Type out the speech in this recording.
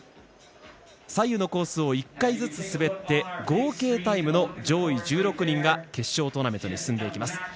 左右のコースを１回ずつ滑って合計タイムの上位１６人が決勝トーナメントに進みます。